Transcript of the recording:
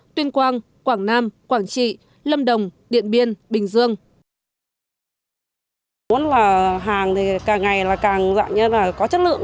tuyên quang quảng nam quảng trị lâm đồng điện biên bình dương